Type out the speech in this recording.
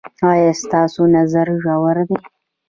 ایا ستاسو نظر ژور دی؟